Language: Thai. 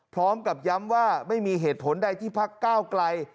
พร้อมกับย้ำว่าไม่มีเหตุผลใดที่พักก้าวไกล